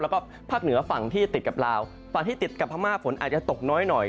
แล้วก็ภาคเหนือฝั่งที่ติดกับลาวฝั่งที่ติดกับพม่าฝนอาจจะตกน้อยหน่อย